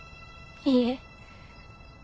いいえ。